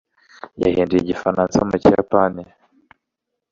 yahinduye igifaransa mu kiyapani